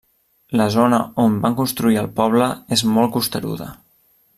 La zona on van construir el poble és molt costeruda.